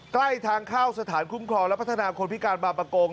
ใกล้ทางเข้าสถานคุ้มครองและพัฒนาคนพิการบางประกง